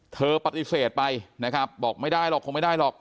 เธอปฏิเสธไปนะครับบอกไม่ได้หรอกคงไม่ได้หรอก